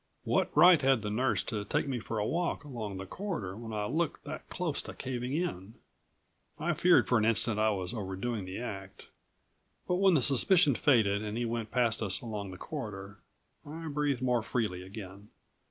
What right had the nurse to take me for a walk along the corridor when I looked that close to caving in? I feared for an instant I was overdoing the act, but when the suspicion faded and he went past us along the corridor I breathed more freely again.